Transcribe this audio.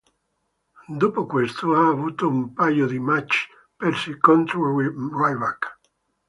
Dopo questo ha avuto un paio di match persi contro Ryback.